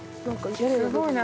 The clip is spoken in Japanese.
すごいね。